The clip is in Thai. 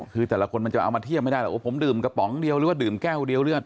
คือแต่ละคนมันจะเอามาเทียบไม่ได้หรอกโอ้ผมดื่มกระป๋องเดียวหรือว่าดื่มแก้วเดียวหรือ